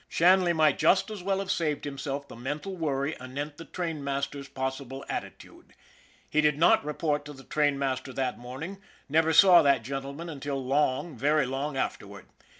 Shanley might just as well have saved himself the mental worry anent the trainmaster's pos sible attitude. He did not report to the trainmaster that morning, never saw that gentleman until long, very long afterward.